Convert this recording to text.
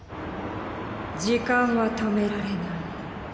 時間は止められない。